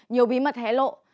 nhiều bí mật hé lộ